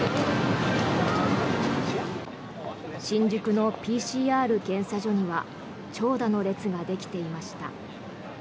新宿のＰＣＲ検査所には長蛇の列ができていました。